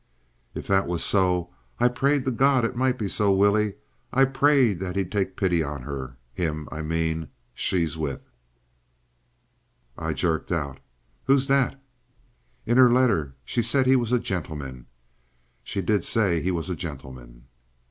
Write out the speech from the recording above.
"If that was so! I've prayed to God it might be so, Willie. I've prayed that he'd take pity on her—him, I mean, she's with." I jerked out: "Who's that?" "In her letter, she said he was a gentleman. She did say he was a gentleman."